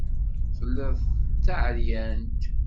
Telliḍ d taɛeryant.